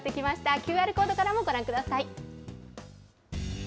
ＱＲコードからもご覧ください。